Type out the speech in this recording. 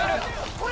これ